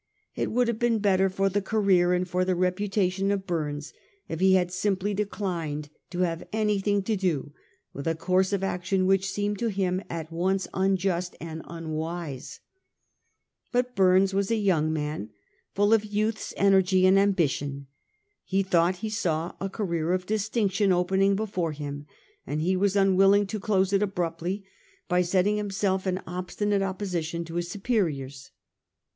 It would have been better for the career and for the reputation of Bumes if he had simply declined to have anything to do with a course of action which seemed to him at once unjust and unwise. But Bumes was a young man, full of youth's energy and ambition. He thought he saw a career of distinction opening before him, and he was unwilling to close it abruptly by setting himself in obstinate opposition to his superiors.